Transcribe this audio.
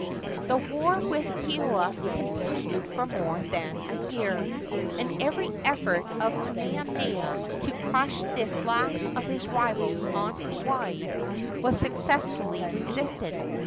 The war with Keoua continued for more than a year, and every effort of Kamehameha to crush this last of his rivals on Hawaii was successfully resisted.